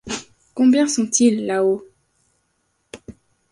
Combien sont-ils là-haut?